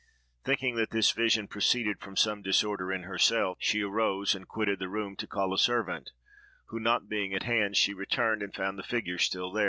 Thinking that this vision proceeded from some disorder in herself, she arose and quitted the room, to call a servant; who not being at hand, she returned, and found the figure there still.